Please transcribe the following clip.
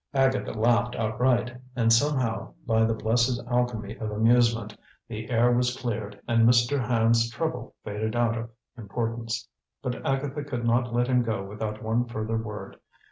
Agatha laughed outright; and somehow, by the blessed alchemy of amusement, the air was cleared and Mr. Hand's trouble faded out of importance. But Agatha could not let him go without one further word.